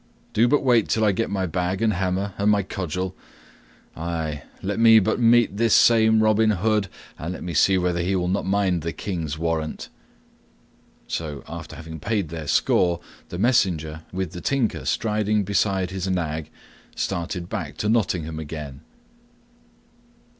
Do but wait till I get my bag and hammer, and my cudgel. Ay, let' me but meet this same Robin Hood, and let me see whether he will not mind the King's warrant." So, after having paid their score, the messenger, with the Tinker striding beside his nag, started back to Nottingham again.